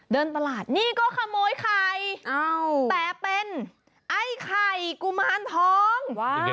เดินตลาดนี่ก็ขโมยไข่แต่เป็นไอ้ไข่กุมารทอง